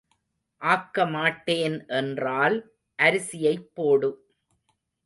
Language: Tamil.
ஆக்க மாட்டேன் என்றால் அரிசியைப் போடு.